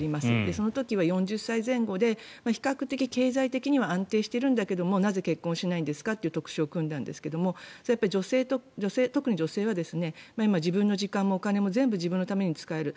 その時は４０歳前後で比較的、経済的には安定しているんだけどなぜ結婚しないんですかという特集を組んだんですけどそれは女性、特に女性は自分の時間もお金も全部自分のために使える。